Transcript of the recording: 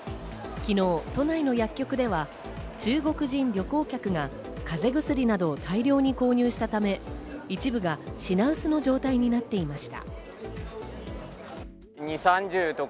昨日、都内の薬局では中国人旅行客が風邪薬などを大量に購入したため、一部が品薄の状態になっていました。